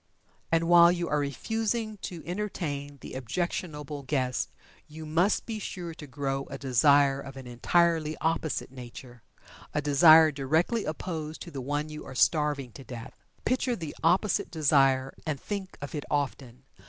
And while you are refusing to entertain the objectionable guest you must be sure to grow a desire of an entirely opposite nature a desire directly opposed to the one you are starving to death. Picture the opposite desire, and think of it often.